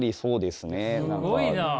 すごいな！